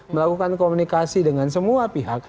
melakukan komunikasi dengan semua pihak